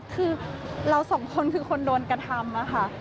คือเราสองคนคือคนโดนกระทำอะค่ะ